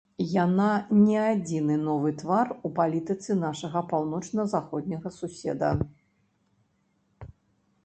Яна не адзіны новы твар у палітыцы нашага паўночна-заходняга суседа.